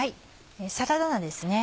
サラダ菜ですね